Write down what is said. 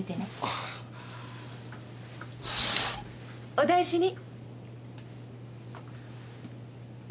お大事に。